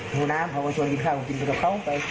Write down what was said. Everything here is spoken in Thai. ก็ออกมาเชิญกินข้าวกินไปกับเขา